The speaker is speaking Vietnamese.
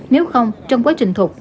nếu không trong quá trình thục